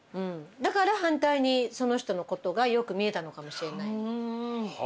だから反対にその人のことがよく見えたのかもしれない。